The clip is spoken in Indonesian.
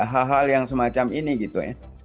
hal hal yang semacam ini gitu ya